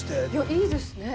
◆いいですね。